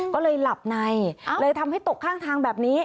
ก็เลยหลับในเลยทำให้ตกข้างทางแบบนี้